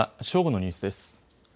正午のニュースです。